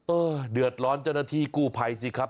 เดือดร้อนเจ้าหน้าที่กู้ภัยสิครับ